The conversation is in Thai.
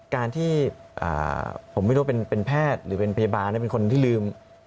การที่ผมไม่รู้ว่าเป็นแพทย์หรือเป็นพยาบาลหรือเป็นคนที่ลืม